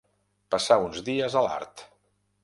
Passar uns dies a l'Art.